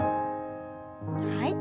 はい。